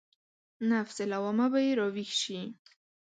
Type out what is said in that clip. نفس لوامه به يې راويښ شي.